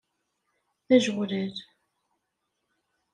D ajeɣlal.